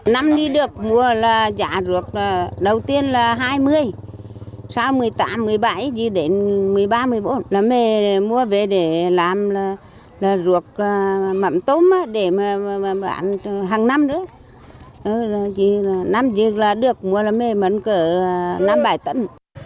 năm đi được mua là giả ruốc đầu tiên là hai mươi sau một mươi tám một mươi bảy thì đến một mươi ba một mươi bốn là mê mua về để làm là ruốc mặm tôm để mà bán hàng năm nữa năm đi là được mua là mê mấn cỡ năm bảy tấn